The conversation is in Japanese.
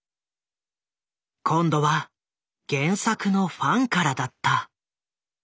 今度は原作のファンからだった。